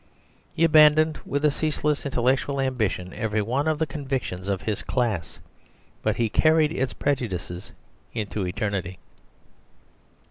He abandoned, with a ceaseless intellectual ambition, every one of the convictions of his class; but he carried its prejudices into eternity.